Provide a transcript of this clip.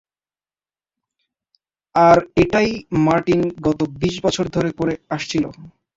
আর এটাই মার্টিন গত বিশ বছর ধরে করে আসছিলো।